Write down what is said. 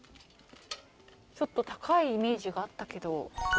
ちょっと高いイメージがあったけど。